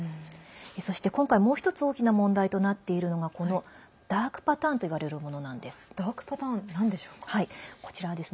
そして今回もう１つ大きな問題となっているのがこのダークパターンといわれるものなんです。